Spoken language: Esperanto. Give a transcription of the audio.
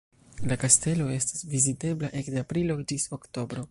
La kastelo estas vizitebla ekde aprilo ĝis oktobro.